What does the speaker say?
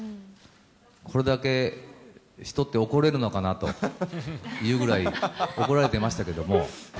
これだけ人って怒れるのかなというぐらい怒られてましたけども。